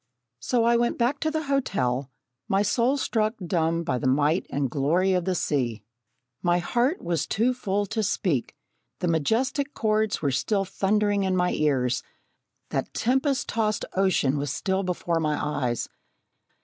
So I went back to the hotel, my soul struck dumb by the might and glory of the sea. My heart was too full to speak. The majestic chords were still thundering in my ears; that tempest tossed ocean was still before my eyes.